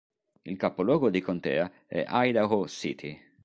Il capoluogo di contea è Idaho City.